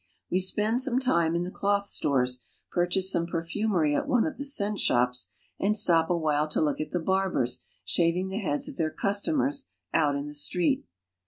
We spend some time in the cloth stores, pur chase some perfumery at one of the scent shops, and stop I awhile to look at the barbers shaving the heads of their ] customers out in the street.